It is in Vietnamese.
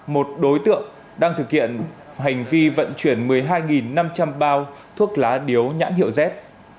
một đối tượng đang thực hiện hành vi vận chuyển một mươi hai năm trăm linh bao thuốc lá điếu nhãn hiệu z